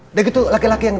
udah gitu laki laki yang